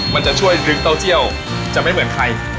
มันจะช่วยลึกเต้าเจี่ยวจะไม่เหมือนใคร